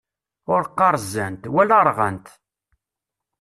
Ur qqaṛ zzant, wala rɣant!